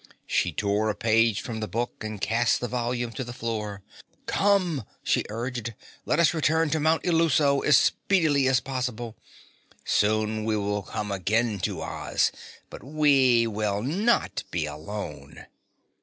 She tore a page from the book and cast the volume to the floor. "Come," she urged, "Let us return to Mount Illuso as speedily as possible. Soon we will come again to Oz. But we will not be alone!"